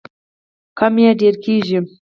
کم یې ډیر کیږي.